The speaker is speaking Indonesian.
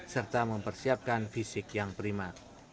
serta mempersiapkan fisik yang prima